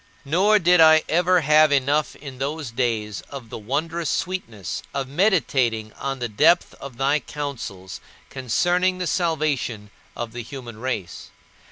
Nor did I ever have enough in those days of the wondrous sweetness of meditating on the depth of thy counsels concerning the salvation of the human race.